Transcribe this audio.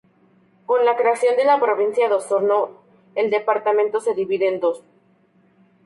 Con la creación de la Provincia de Osorno, el Departamento se divide en dos.